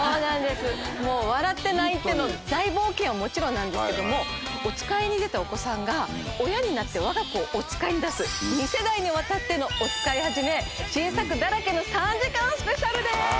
もう笑って泣いての大冒険はもちろんなんですけどもおつかいに出たお子さんが親になってわが子をおつかいに出す２世代にわたってのおつかいはじめ新作だらけの３時間スペシャルです！